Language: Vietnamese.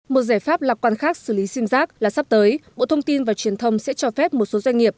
một giải pháp lạc quan khác xử lý sim giác là sắp tới bộ thông tin và truyền thông sẽ cho phép một số doanh nghiệp